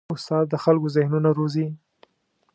استاد د خلکو ذهنونه روزي.